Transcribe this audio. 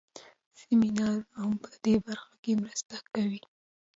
سمینارونه هم په دې برخه کې مرسته کوي.